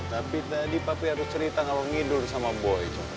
tapi tadi papi harus cerita kalau ngidul sama boy